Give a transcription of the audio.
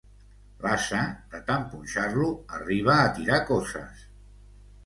L'ase, de tant punxar-lo, arriba a tirar coces.